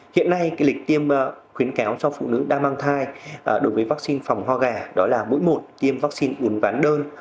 hiện nay lịch tiêm khuyến cáo cho phụ nữ đang mang thai đối với vaccine phòng ho gà đó là mỗi một tiêm vaccine un ván đơn